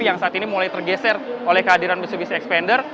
yang saat ini mulai tergeser oleh kehadiran mitsubishi xpander